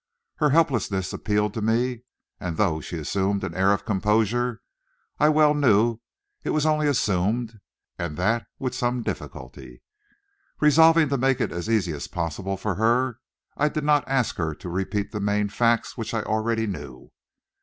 Her helplessness appealed to me, and, though she assumed an air of composure, I well knew it was only assumed, and that with some difficulty. Resolving to make it as easy as possible for her, I did not ask her to repeat the main facts, which I already knew.